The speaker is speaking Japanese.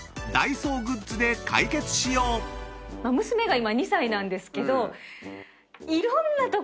娘が今２歳なんですけど。